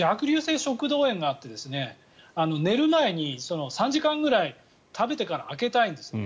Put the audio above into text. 食道炎があって寝る前に３時間ぐらい食べてから空けたいんですね。